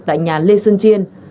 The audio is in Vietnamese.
tại nhà lê xuân chiên